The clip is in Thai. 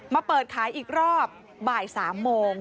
มาเปิดขายอีกรอบบ่าย๓โมง